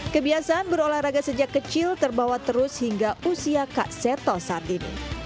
kebiasaan berolahraga sejak kecil terbawa terus hingga usia kak seto saat ini